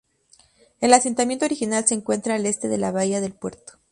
El asentamiento original se encuentra al este de la bahía del puerto.